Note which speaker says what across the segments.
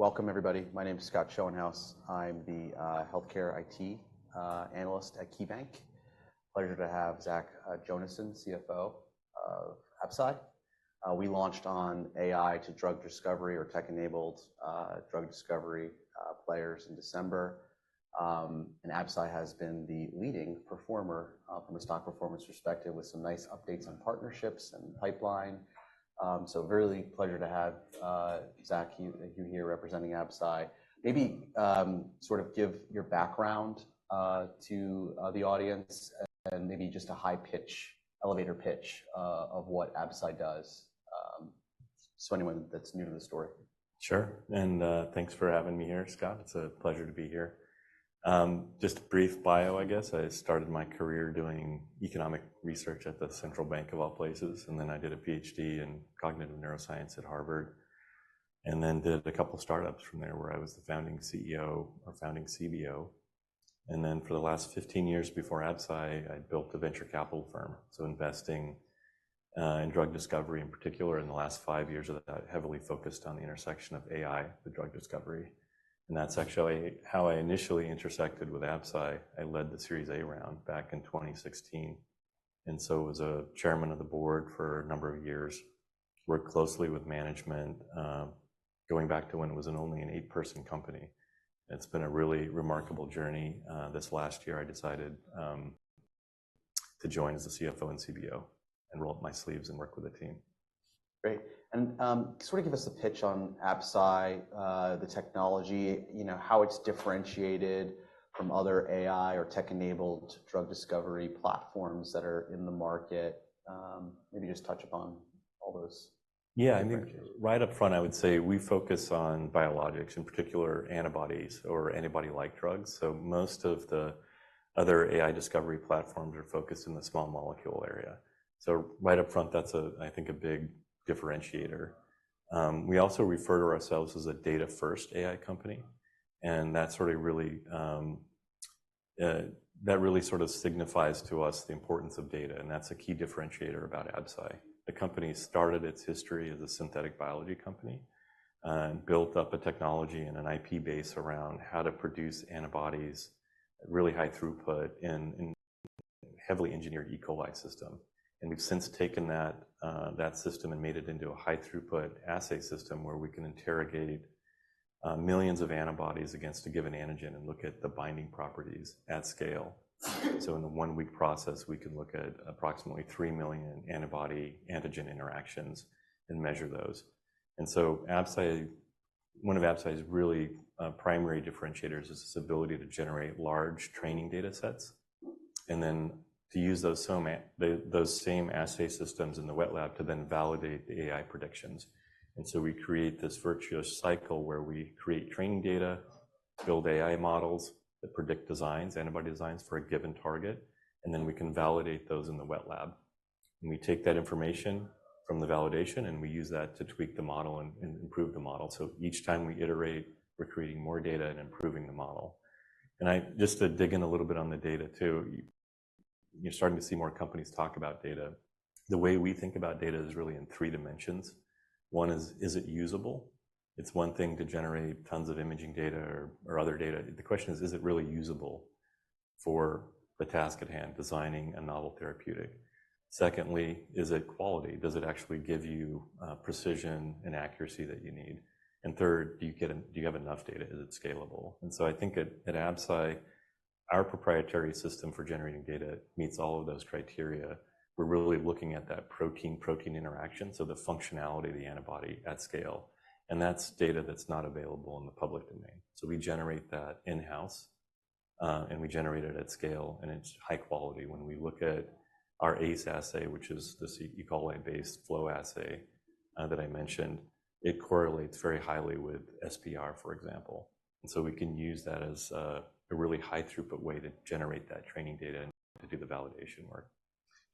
Speaker 1: Welcome, everybody. My name is Scott Schoenhaus. I'm the healthcare IT analyst at KeyBanc. Pleasure to have Zach Jonasson, CFO of Absci. We launched on AI to drug discovery or tech-enabled drug discovery players in December. And Absci has been the leading performer from a stock performance perspective, with some nice updates on partnerships and pipeline. So really a pleasure to have Zach, you here representing Absci. Maybe sort of give your background to the audience and maybe just a high pitch, elevator pitch of what Absci does, so anyone that's new to the story.
Speaker 2: Sure, and, thanks for having me here, Scott. It's a pleasure to be here. Just a brief bio, I guess. I started my career doing economic research at the Central Bank, of all places, and then I did a PhD in cognitive neuroscience at Harvard, and then did a couple startups from there, where I was the founding CEO or founding CBO. And then for the last 15 years before Absci, I built a venture capital firm, so investing, in drug discovery in particular, in the last five years of that, heavily focused on the intersection of AI with drug discovery. And that's actually how I initially intersected with Absci. I led the Series A round back in 2016, and so was a chairman of the board for a number of years, worked closely with management, going back to when it was only an eight-person company. It's been a really remarkable journey. This last year I decided to join as the CFO and CBO and roll up my sleeves and work with the team.
Speaker 1: Great, and, sort of give us a pitch on Absci, the technology, you know, how it's differentiated from other AI or tech-enabled drug discovery platforms that are in the market. Maybe just touch upon all those.
Speaker 2: Yeah, I think-
Speaker 1: Differentiation...
Speaker 2: right up front, I would say, we focus on biologics, in particular, antibodies or antibody-like drugs. So most of the other AI discovery platforms are focused in the small molecule area. So right up front, that's, I think, a big differentiator. We also refer to ourselves as a data-first AI company, and that's sort of really, that really sort of signifies to us the importance of data, and that's a key differentiator about Absci. The company started its history as a synthetic biology company and built up a technology and an IP base around how to produce antibodies at really high throughput in heavily engineered E. coli system. And we've since taken that, that system and made it into a high-throughput assay system, where we can interrogate millions of antibodies against a given antigen and look at the binding properties at scale. So in a one-week process, we can look at approximately three million antibody-antigen interactions and measure those. Absci—one of Absci's really primary differentiators is its ability to generate large training data sets and then to use those same assay systems in the wet lab to then validate the AI predictions. We create this virtuous cycle, where we create training data to build AI models that predict designs, antibody designs for a given target, and then we can validate those in the wet lab. We take that information from the validation, and we use that to tweak the model and improve the model. Each time we iterate, we're creating more data and improving the model. Just to dig in a little bit on the data, too, you're starting to see more companies talk about data. The way we think about data is really in three dimensions. One is, is it usable? It's one thing to generate tons of imaging data or other data. The question is, is it really usable for the task at hand, designing a novel therapeutic? Secondly, is it quality? Does it actually give you precision and accuracy that you need? And third, do you have enough data? Is it scalable? And so I think at Absci, our proprietary system for generating data meets all of those criteria. We're really looking at that protein-protein interaction, so the functionality of the antibody at scale, and that's data that's not available in the public domain. So we generate that in-house, and we generate it at scale, and it's high quality. When we look at our ACE assay, which is this E. coli-based flow assay that I mentioned. It correlates very highly with SPR, for example. And so we can use that as a really high-throughput way to generate that training data and to do the validation work.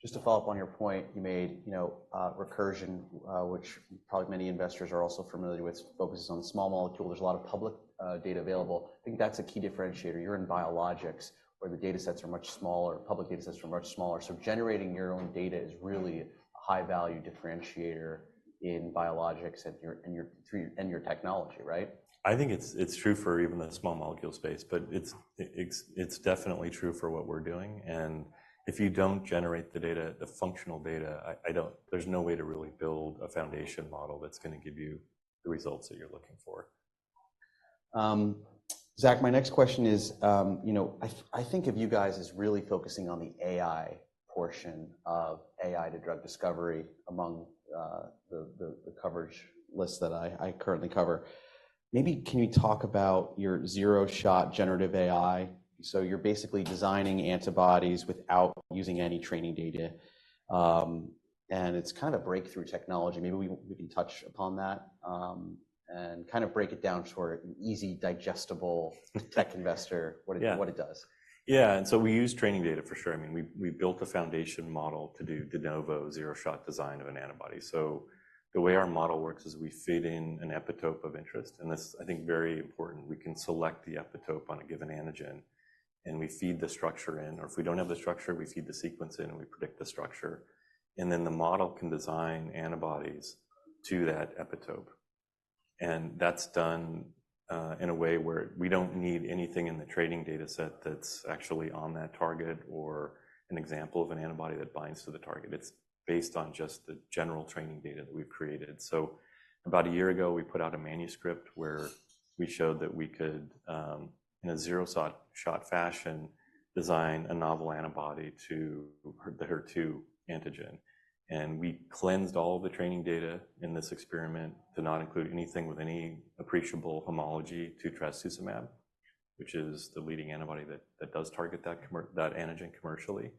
Speaker 1: Just to follow up on your point, you made, you know, Recursion, which probably many investors are also familiar with, focuses on small molecule. There's a lot of public data available. I think that's a key differentiator. You're in biologics, where the data sets are much smaller, public data sets are much smaller. So generating your own data is really a high-value differentiator in biologics and your, and your, through, and your technology, right?
Speaker 2: I think it's true for even the small molecule space, but it's definitely true for what we're doing. And if you don't generate the data, the functional data, I don't—there's no way to really build a foundation model that's gonna give you the results that you're looking for.
Speaker 1: Zach, my next question is, you know, I think of you guys as really focusing on the AI portion of AI to drug discovery among the coverage list that I currently cover. Maybe can you talk about your zero-shot generative AI? So you're basically designing antibodies without using any training data, and it's kind of breakthrough technology. Maybe we can touch upon that, and kind of break it down to an easy, digestible-...
Speaker 2: tech investor, what it-
Speaker 1: Yeah... what it does.
Speaker 2: Yeah, and so we use training data for sure. I mean, we built a foundation model to do de novo zero-shot design of an antibody. So the way our model works is we fit in an epitope of interest, and this, I think, very important. We can select the epitope on a given antigen, and we feed the structure in, or if we don't have the structure, we feed the sequence in, and we predict the structure. And then the model can design antibodies to that epitope.... and that's done in a way where we don't need anything in the training data set that's actually on that target or an example of an antibody that binds to the target. It's based on just the general training data that we've created. So about a year ago, we put out a manuscript where we showed that we could in a zero-shot fashion design a novel antibody to the HER2 antigen. And we cleansed all the training data in this experiment to not include anything with any appreciable homology to trastuzumab, which is the leading antibody that does target that antigen commercially.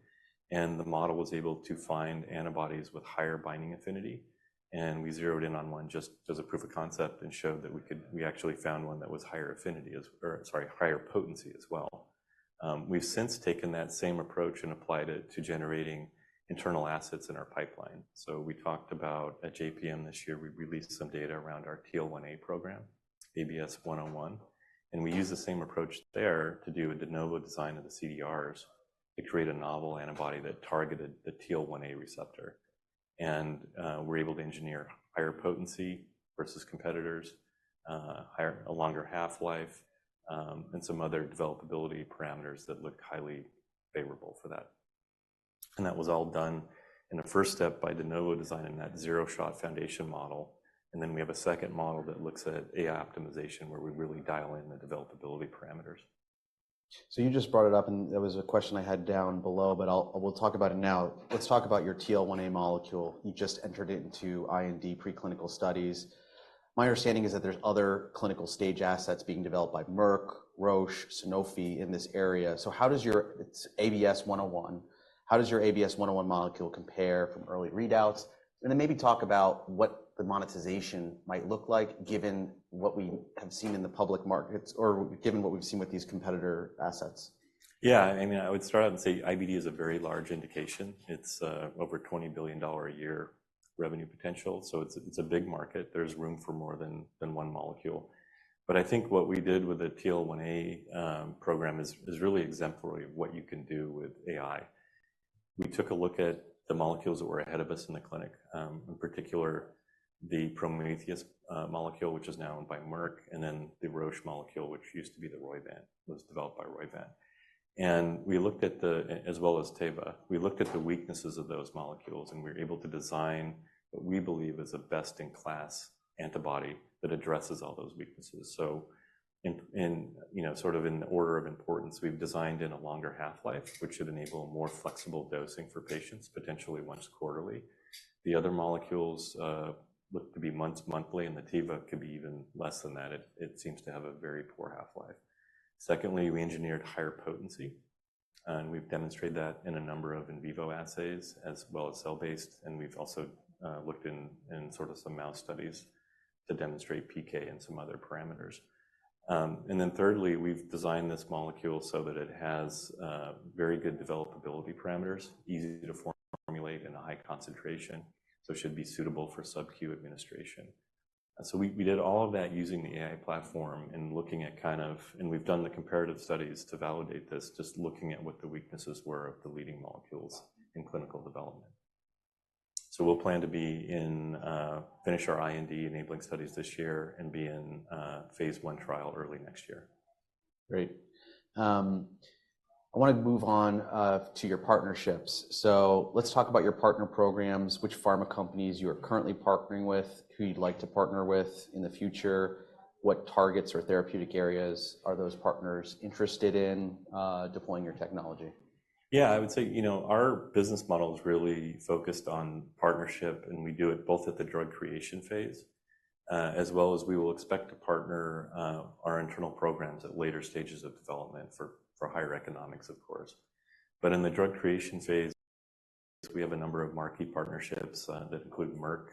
Speaker 2: And the model was able to find antibodies with higher binding affinity, and we zeroed in on one just as a proof of concept and showed that we actually found one that was higher affinity, or sorry, higher potency as well. We've since taken that same approach and applied it to generating internal assets in our pipeline. So we talked about at JPM this year, we released some data around our TL1A program, ABS-101, and we used the same approach there to do a de novo design of the CDRs to create a novel antibody that targeted the TL1A receptor. We're able to engineer higher potency versus competitors, a longer half-life, and some other developability parameters that look highly favorable for that. That was all done in a first step by de novo design in that zero-shot foundation model, and then we have a second model that looks at AI optimization, where we really dial in the developability parameters.
Speaker 1: So you just brought it up, and that was a question I had down below, but we'll talk about it now. Let's talk about your TL1A molecule. You just entered into IND preclinical studies. My understanding is that there's other clinical-stage assets being developed by Merck, Roche, Sanofi in this area. So how does your... It's ABS-101. How does your ABS-101 molecule compare from early readouts? And then maybe talk about what the monetization might look like, given what we have seen in the public markets or given what we've seen with these competitor assets.
Speaker 2: Yeah, I mean, I would start out and say IBD is a very large indication. It's over $20 billion a year revenue potential, so it's a big market. There's room for more than one molecule. But I think what we did with the TL1A program is really exemplary of what you can do with AI. We took a look at the molecules that were ahead of us in the clinic, in particular, the Prometheus molecule, which is now owned by Merck, and then the Roche molecule, which used to be the Roivant, was developed by Roivant, as well as Teva. We looked at the weaknesses of those molecules, and we were able to design what we believe is a best-in-class antibody that addresses all those weaknesses. So in, you know, sort of in order of importance, we've designed in a longer half-life, which should enable more flexible dosing for patients, potentially once quarterly. The other molecules look to be months, monthly, and the Teva could be even less than that. It seems to have a very poor half-life. Secondly, we engineered higher potency, and we've demonstrated that in a number of in vivo assays, as well as cell-based, and we've also looked in sort of some mouse studies to demonstrate PK and some other parameters. And then thirdly, we've designed this molecule so that it has very good developability parameters, easy to formulate in a high concentration, so should be suitable for sub-Q administration. So we did all of that using the AI platform and looking at, kind of... We've done the comparative studies to validate this, just looking at what the weaknesses were of the leading molecules in clinical development. We'll plan to be in, finish our IND-enabling studies this year and be in, phase I trial early next year.
Speaker 1: Great. I want to move on to your partnerships. So let's talk about your partner programs, which pharma companies you are currently partnering with, who you'd like to partner with in the future, what targets or therapeutic areas are those partners interested in deploying your technology?
Speaker 2: Yeah, I would say, you know, our business model is really focused on partnership, and we do it both at the drug creation phase, as well as we will expect to partner our internal programs at later stages of development for higher economics, of course. But in the drug creation phase, we have a number of marquee partnerships that include Merck,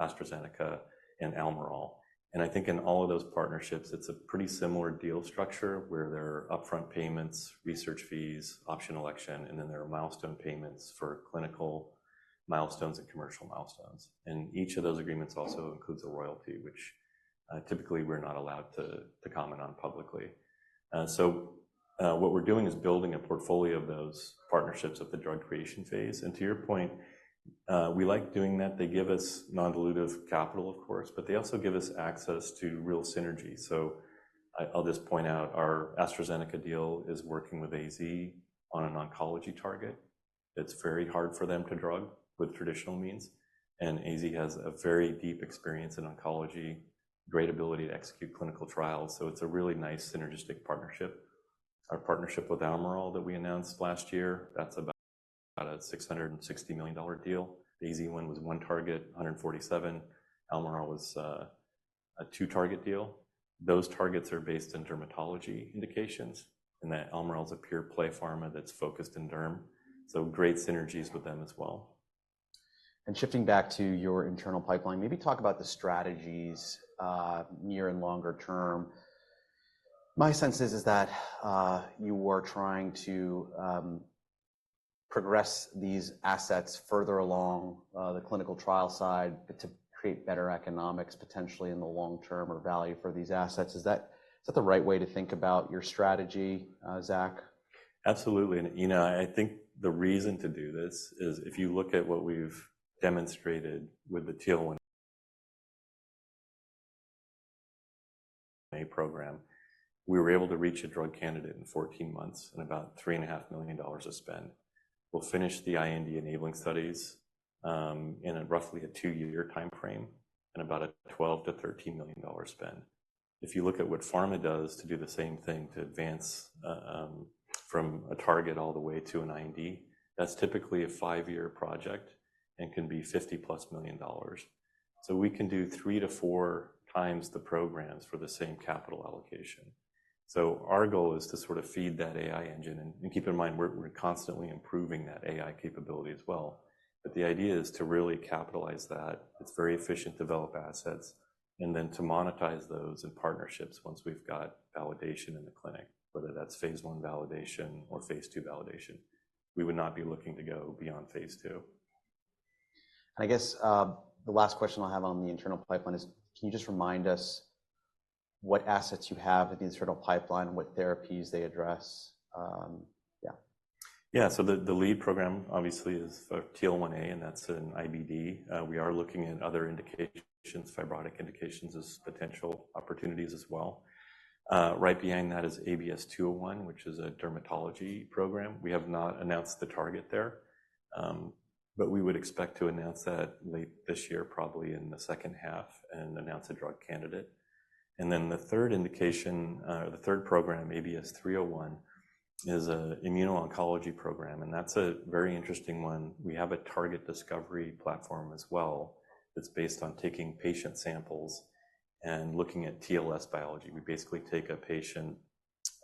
Speaker 2: AstraZeneca, and Almirall. And I think in all of those partnerships, it's a pretty similar deal structure, where there are upfront payments, research fees, option election, and then there are milestone payments for clinical milestones and commercial milestones. And each of those agreements also includes a royalty, which typically we're not allowed to comment on publicly. So what we're doing is building a portfolio of those partnerships at the drug creation phase. And to your point, we like doing that. They give us non-dilutive capital, of course, but they also give us access to real synergy. So I, I'll just point out, our AstraZeneca deal is working with AZ on an oncology target. It's very hard for them to drug with traditional means, and AZ has a very deep experience in oncology, great ability to execute clinical trials, so it's a really nice synergistic partnership. Our partnership with Almirall that we announced last year, that's about a $660 million deal. The AZ one was one target, $147. Almirall was a two-target deal. Those targets are based in dermatology indications, and that Almirall is a pure play pharma that's focused in derm, so great synergies with them as well.
Speaker 1: And shifting back to your internal pipeline, maybe talk about the strategies, near and longer term. My sense is that you are trying to progress these assets further along the clinical trial side to create better economics, potentially in the long term, or value for these assets. Is that the right way to think about your strategy, Zach?
Speaker 2: Absolutely. And, you know, I think the reason to do this is if you look at what we've demonstrated with the TL1A program, we were able to reach a drug candidate in 14 months and about $3.5 million of spend. We'll finish the IND-enabling studies in a roughly two-year timeframe and about a $12-$13 million spend. If you look at what pharma does to do the same thing, to advance from a target all the way to an IND, that's typically a five-year project and can be $50+ million. So we can do three-four times the programs for the same capital allocation. So our goal is to sort of feed that AI engine, and keep in mind, we're constantly improving that AI capability as well. But the idea is to really capitalize that. It's very efficient, develop assets, and then to monetize those in partnerships once we've got validation in the clinic, whether that's Phase I validation or phase II validation. We would not be looking to go beyond phase II.
Speaker 1: I guess, the last question I'll have on the internal pipeline is: can you just remind us what assets you have in the internal pipeline and what therapies they address? Yeah.
Speaker 2: Yeah. So the lead program obviously is TL1A, and that's in IBD. We are looking at other indications, fibrotic indications, as potential opportunities as well. Right behind that is ABS-201, which is a dermatology program. We have not announced the target there, but we would expect to announce that late this year, probably in the second half, and announce a drug candidate. And then the third indication, or the third program, ABS-301, is an immuno-oncology program, and that's a very interesting one. We have a target discovery platform as well that's based on taking patient samples and looking at TLS biology. We basically take a patient,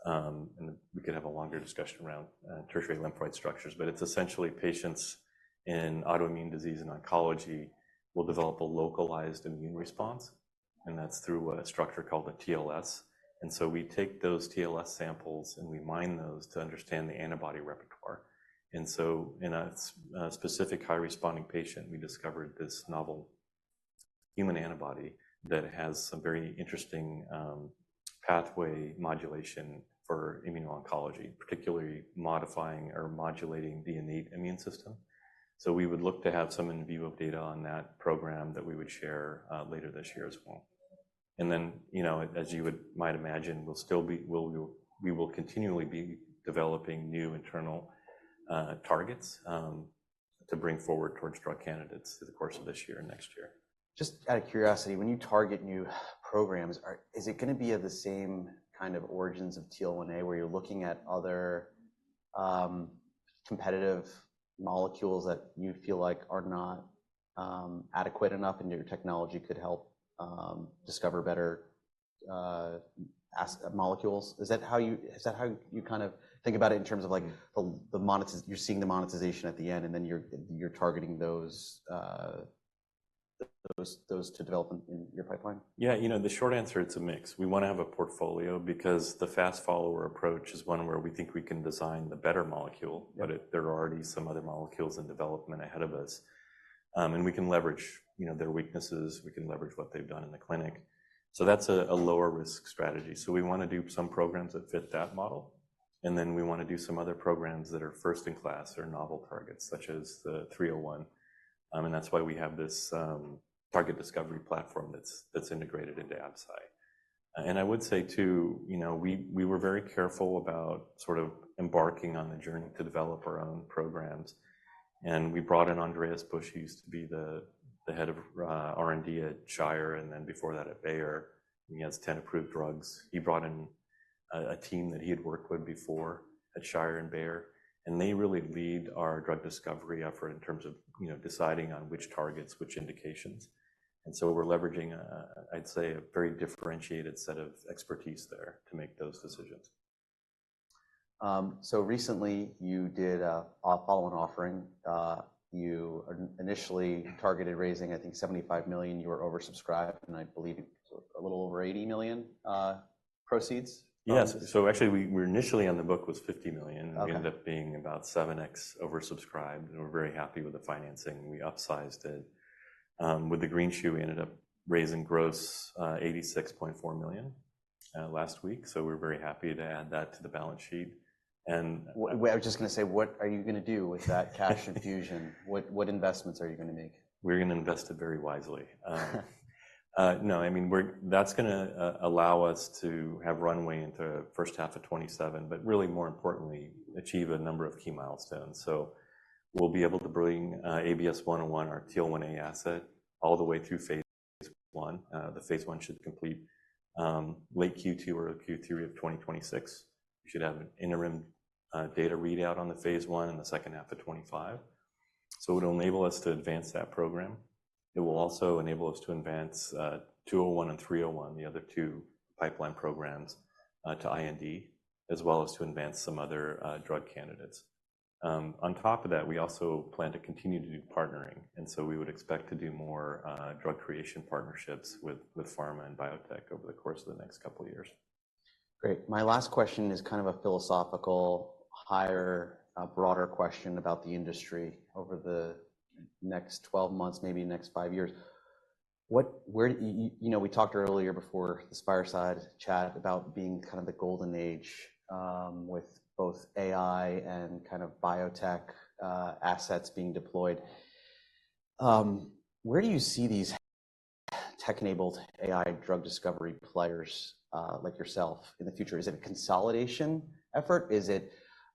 Speaker 2: and we can have a longer discussion around tertiary lymphoid structures, but it's essentially patients in autoimmune disease and oncology will develop a localized immune response, and that's through a structure called the TLS. And so we take those TLS samples, and we mine those to understand the antibody repertoire. And so in a specific high-responding patient, we discovered this novel human antibody that has some very interesting pathway modulation for immuno-oncology, particularly modifying or modulating the innate immune system. So we would look to have some in vivo data on that program that we would share later this year as well. And then, you know, as you might imagine, we will continually be developing new internal targets to bring forward towards drug candidates through the course of this year and next year.
Speaker 1: Just out of curiosity, when you target new programs, is it gonna be of the same kind of origins of TL1A, where you're looking at other competitive molecules that you feel like are not adequate enough, and your technology could help discover better molecules? Is that how you... Is that how you kind of think about it in terms of, like, the monetization you're seeing at the end, and then you're targeting those to develop in your pipeline?
Speaker 2: Yeah, you know, the short answer, it's a mix. We wanna have a portfolio because the fast follower approach is one where we think we can design the better molecule-
Speaker 1: Yeah...
Speaker 2: but there are already some other molecules in development ahead of us. And we can leverage, you know, their weaknesses. We can leverage what they've done in the clinic. So that's a lower-risk strategy. So we wanna do some programs that fit that model, and then we wanna do some other programs that are first-in-class or novel targets, such as the 301. And that's why we have this target discovery platform that's integrated into Absci. And I would say, too, you know, we were very careful about sort of embarking on the journey to develop our own programs, and we brought in Andreas Busch. He used to be the head of R&D at Shire and then before that at Bayer. He has 10 approved drugs. He brought in a team that he had worked with before at Shire and Bayer, and they really lead our drug discovery effort in terms of, you know, deciding on which targets, which indications. And so we're leveraging a, I'd say, a very differentiated set of expertise there to make those decisions.
Speaker 1: So recently, you did a public offering. You initially targeted raising, I think, $75 million. You were oversubscribed, and I believe a little over $80 million proceeds?
Speaker 2: Yes. So actually, we initially on the book was $50 million.
Speaker 1: Okay.
Speaker 2: We ended up being about 7x oversubscribed, and we're very happy with the financing. We upsized it. With the greenshoe, we ended up raising gross $86.4 million last week, so we're very happy to add that to the balance sheet. And-
Speaker 1: I was just gonna say, what are you gonna do with that cash infusion? What, what investments are you gonna make?
Speaker 2: We're gonna invest it very wisely. No, I mean, that's gonna allow us to have runway into first half of 2027, but really, more importantly, achieve a number of key milestones. So we'll be able to bring ABS-101, our TL1A asset, all the way through phase I. The phase I should complete late Q2 or Q3 of 2026. We should have an interim data readout on the phase I in the second half of 2025, so it'll enable us to advance that program. It will also enable us to advance 201 and 301, the other two pipeline programs to IND, as well as to advance some other drug candidates. On top of that, we also plan to continue to do partnering, and so we would expect to do more drug creation partnerships with pharma and biotech over the course of the next couple of years.
Speaker 1: Great. My last question is kind of a philosophical, higher, broader question about the industry over the next 12 months, maybe next five years. What, where... you know, we talked earlier before the fireside chat about being kind of the golden age, with both AI and kind of biotech, assets being deployed.... Where do you see these tech-enabled AI drug discovery players, like yourself in the future? Is it a consolidation effort? Is it,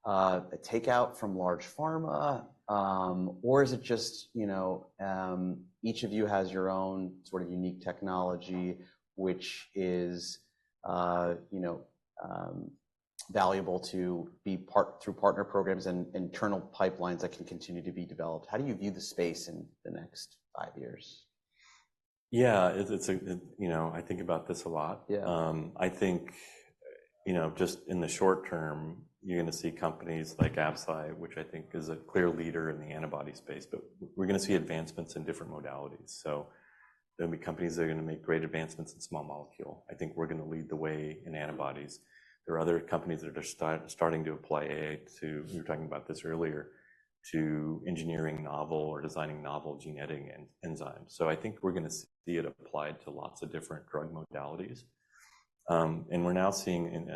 Speaker 1: a takeout from large pharma? Or is it just, you know, each of you has your own sort of unique technology, which is, you know, valuable to be part-- through partner programs and internal pipelines that can continue to be developed. How do you view the space in the next five years?
Speaker 2: Yeah, it's, it's a, you know, I think about this a lot.
Speaker 1: Yeah.
Speaker 2: I think, you know, just in the short term, you're gonna see companies like Absci, which I think is a clear leader in the antibody space, but we're gonna see advancements in different modalities. So there'll be companies that are gonna make great advancements in small molecule. I think we're gonna lead the way in antibodies. There are other companies that are just starting to apply AI to, we were talking about this earlier, to engineering novel or designing novel genetic enzymes. So I think we're gonna see it applied to lots of different drug modalities. And we're now seeing, and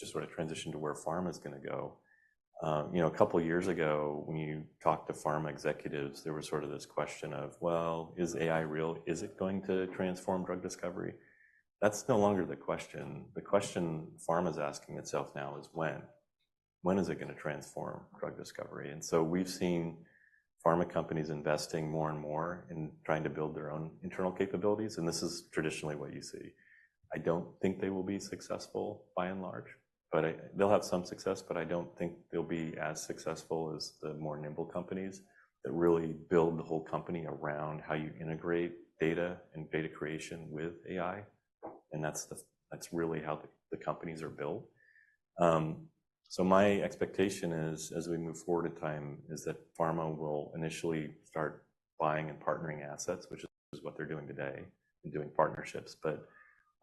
Speaker 2: so just sort of transition to where pharma is gonna go. You know, a couple of years ago, when you talked to pharma executives, there was sort of this question of: Well, is AI real? Is it going to transform drug discovery? That's no longer the question. The question pharma's asking itself now is when? When is it gonna transform drug discovery? And so we've seen pharma companies investing more and more in trying to build their own internal capabilities, and this is traditionally what you see. I don't think they will be successful, by and large, but they'll have some success, but I don't think they'll be as successful as the more nimble companies that really build the whole company around how you integrate data and data creation with AI, and that's the, that's really how the, the companies are built. So my expectation is, as we move forward in time, is that pharma will initially start buying and partnering assets, which is what they're doing today and doing partnerships. But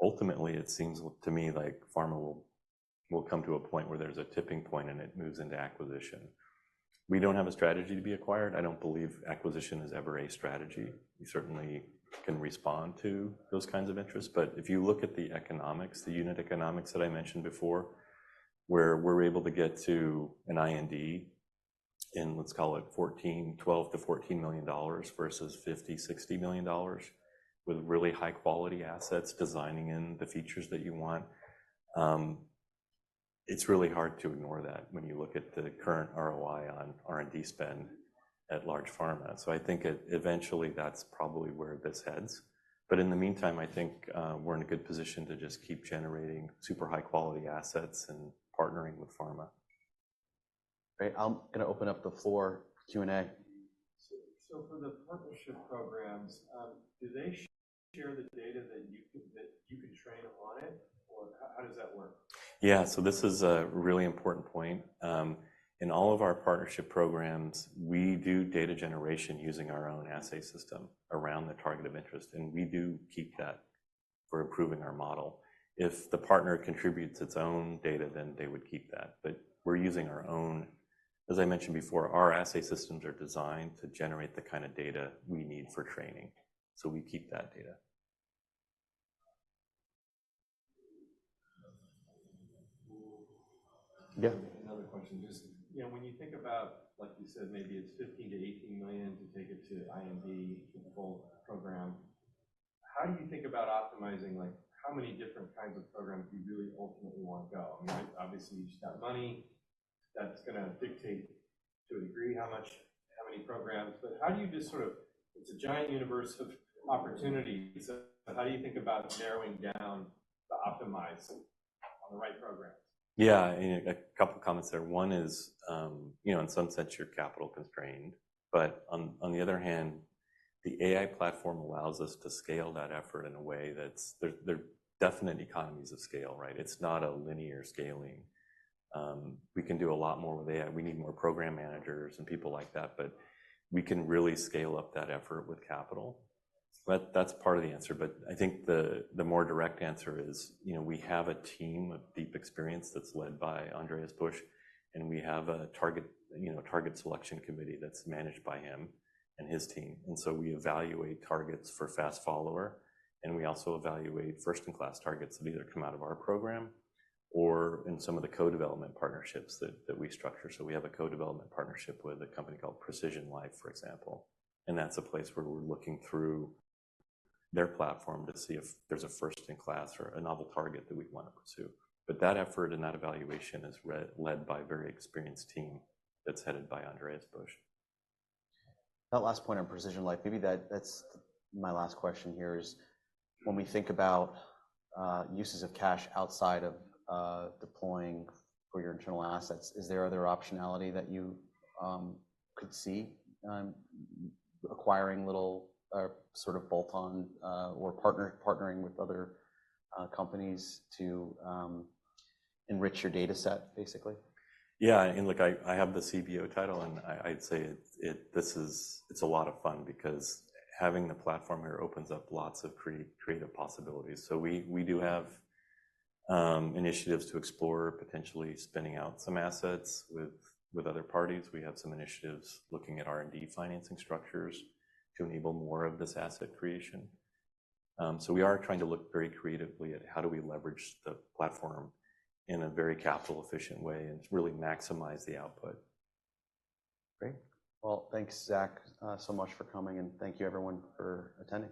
Speaker 2: ultimately, it seems to me like pharma will come to a point where there's a tipping point, and it moves into acquisition. We don't have a strategy to be acquired. I don't believe acquisition is ever a strategy. We certainly can respond to those kinds of interests. But if you look at the economics, the unit economics that I mentioned before, where we're able to get to an IND in, let's call it $12-14 million versus $50-60 million, with really high-quality assets, designing in the features that you want. It's really hard to ignore that when you look at the current ROI on R&D spend at large pharma. So I think it, eventually, that's probably where this heads. But in the meantime, I think, we're in a good position to just keep generating super high-quality assets and partnering with pharma.
Speaker 1: Great. I'm gonna open up the floor Q&A.
Speaker 3: So, for the partnership programs, do they share the data that you can, that you can train on it, or how does that work?
Speaker 2: Yeah. So this is a really important point. In all of our partnership programs, we do data generation using our own assay system around the target of interest, and we do keep that for improving our model. If the partner contributes its own data, then they would keep that, but we're using our own. As I mentioned before, our assay systems are designed to generate the kind of data we need for training, so we keep that data. Yeah.
Speaker 3: Another question, just, you know, when you think about, like you said, maybe it's $15 million-$18 million to take it to IND for the full program. How do you think about optimizing, like, how many different kinds of programs do you really ultimately want to go? I mean, obviously, you just have money that's gonna dictate to a degree how much, how many programs, but how do you just sort of... It's a giant universe of opportunities. So how do you think about narrowing down to optimize on the right programs?
Speaker 2: Yeah, and a couple of comments there. One is, you know, in some sense, you're capital constrained, but on the other hand, the AI platform allows us to scale that effort in a way that's, there are definite economies of scale, right? It's not a linear scaling. We can do a lot more with AI. We need more program managers and people like that, but we can really scale up that effort with capital. But that's part of the answer. But I think the more direct answer is, you know, we have a team of deep experience that's led by Andreas Busch, and we have a target selection committee that's managed by him and his team. And so we evaluate targets for fast follower, and we also evaluate first-in-class targets that either come out of our program or in some of the co-development partnerships that, that we structure. So we have a co-development partnership with a company called PrecisionLife, for example, and that's a place where we're looking through their platform to see if there's a first-in-class or a novel target that we'd want to pursue. But that effort and that evaluation is led by a very experienced team that's headed by Andreas Busch.
Speaker 1: That last point on PrecisionLife, maybe that's my last question here, is when we think about uses of cash outside of deploying for your internal assets, is there other optionality that you could see on acquiring little sort of bolt-on or partnering with other companies to enrich your data set, basically?
Speaker 2: Yeah, and look, I have the CBO title, and I'd say it, this is. It's a lot of fun because having the platform here opens up lots of creative possibilities. So we do have initiatives to explore, potentially spinning out some assets with other parties. We have some initiatives looking at R&D financing structures to enable more of this asset creation. So we are trying to look very creatively at how do we leverage the platform in a very capital-efficient way and really maximize the output.
Speaker 1: Great. Well, thanks, Zach, so much for coming, and thank you, everyone, for attending.